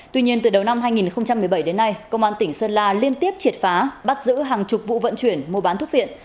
tuy nhiên từ đầu năm hai nghìn một mươi bảy đến nay công an tỉnh sơn la liên tiếp triệt phá bắt giữ hàng chục vụ vận chuyển mua bán thuốc viện